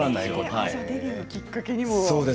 デビューのきっかけにも。